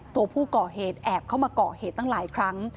ตัวผู้ก่อเหตุแอบเข้ามาก่อเหตุตั้งหลายครั้ง